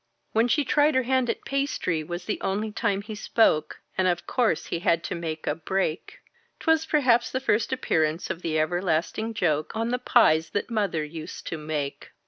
When she tried her hand at pastry was the only time he spoke, And of course he had to make a break 'Twas perhaps the first appearance of the ever lasting joke On the pies that mother used to make.